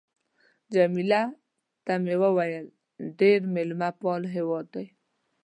جميله ته مې وویل: ډېر مېلمه پال هېواد دی.